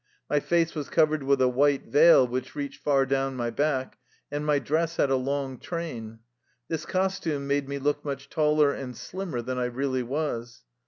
My face was covered with a white veil which reached far down my back, and my dress had a long train. This costume made me look much taller and slimmer than I really was.